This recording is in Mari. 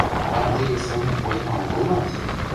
Вара тиде сылне поэма огыл мо?